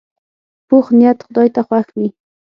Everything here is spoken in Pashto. پوخ نیت خدای ته خوښ وي